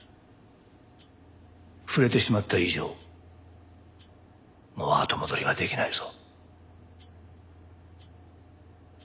触れてしまった以上もう後戻りはできないぞ。